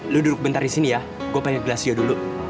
lu duduk bentar di sini ya gue pengen glasio dulu